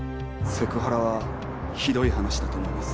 セクハラはひどい話だと思います。